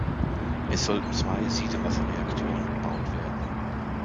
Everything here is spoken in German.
Es sollten zwei Siedewasserreaktoren gebaut werden.